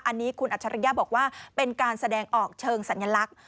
อันนี้คุณอัจฉริยะบอกว่าเป็นการแสดงออกเชิงสัญลักษณ์